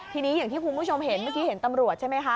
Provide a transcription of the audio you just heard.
ทีนี้อย่างที่คุณผู้ชมเห็นเมื่อกี้เห็นตำรวจใช่ไหมคะ